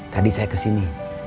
tadi saya kesini